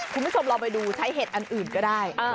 คุณผู้ชมลองไปดูใช้เห็ดอันอื่นก็ได้